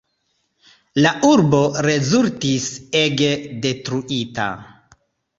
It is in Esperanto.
La urbo rezultis ege detruita.